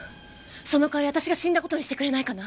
その代わり私が死んだ事にしてくれないかな。